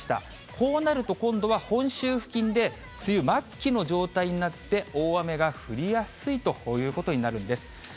こうなると今度は、本州付近で梅雨末期の状態になって、大雨が降りやすいということになるんです。